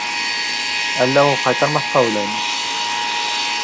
Әллә ул ҡайтармаҫҡа уйлаймы?